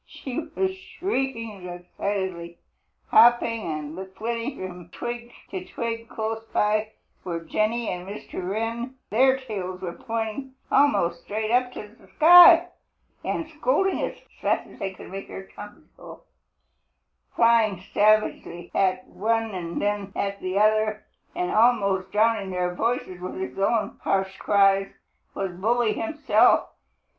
She was shrieking excitedly. Hopping and flitting from twig to twig close by were Jenny and Mr. Wren, their tails pointing almost straight up to the sky, and scolding as fast as they could make their tongues go. Flying savagely at one and then at the other, and almost drowning their voices with his own harsh cries, was Bully himself.